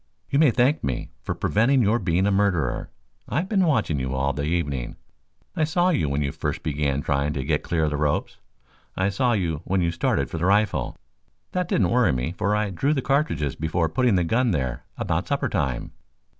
"You may thank me for preventing your being a murderer. I've been watching you all the evening. I saw you when you first began trying to get clear of the ropes. I saw you when you started for the rifle. That didn't worry me, for I drew the cartridges before putting the gun there about supper time.